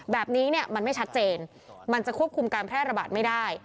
แบบนี้เนี่ยมันไม่ชัดเจนมันจะควบคุมการแพร่ระบาดไม่ได้